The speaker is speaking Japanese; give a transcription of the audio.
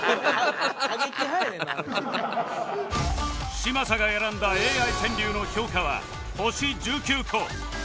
嶋佐が選んだ ＡＩ 川柳の評価は星１９個